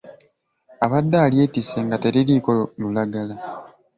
Abadde alyetisse nga teririiko lulagala.